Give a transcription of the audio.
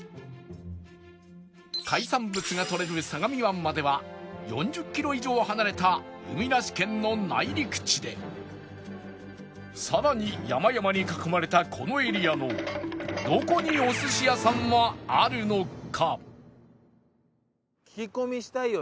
海産物がとれる相模湾までは４０キロ以上離れた海なし県の内陸地でさらに山々に囲まれたこのエリアのどこにお寿司屋さんはあるのか？